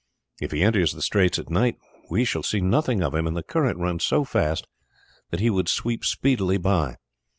If he enters the straits at night we shall see nothing of him, and the current runs so fast that he would sweep speedily by.